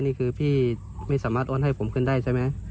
นี่คือพี่ไม่สามารถโอนให้ผมขึ้นได้ใช่ไหม